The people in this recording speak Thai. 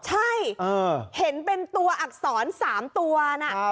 ใช่เห็นเป็นตัวอักษร๓ตัวนะ